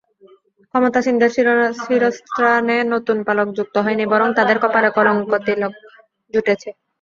ক্ষমতাসীনদের শিরস্ত্রাণে নতুন পালক যুক্ত হয়নি, বরং তাদের কপালে কলঙ্কতিলক জুটেছে।